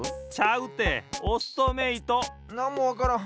なんもわからん。